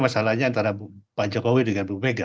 masalahnya antara pak jokowi dengan bu mega